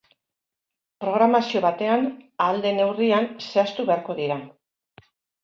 Programazio batean, ahal den neurrian, zehaztu beharko dira.